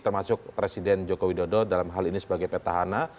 termasuk presiden jokowi dodo dalam hal ini sebagai petahana